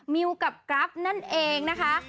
มิวกับกราฟนั่นเองนะคะ